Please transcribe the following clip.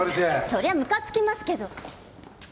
そりゃムカつきますけど。